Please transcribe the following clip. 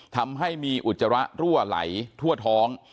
ทำให้มีอุจจาระรั่วไหลทั่วท้อง